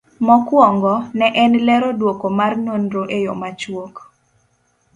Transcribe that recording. Mokwongo, ne en lero duoko mar nonro e yo machuok